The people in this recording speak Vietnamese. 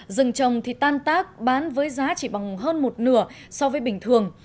rừng trồng thì tan tác bán với giá chỉ bằng hơn một nửa so với bình thường